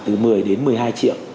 từ một mươi đến một mươi hai trường